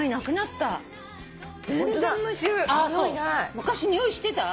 昔においしてた？